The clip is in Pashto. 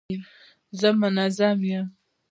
زه منظم یم.